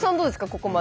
ここまで。